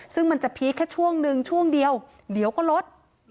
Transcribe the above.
ซึ่งมันจะพีคแค่ช่วงนึงช่วงเดียวเดี๋ยวก็ลด